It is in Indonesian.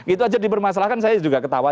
itu aja dipermasalahkan saya juga ketawa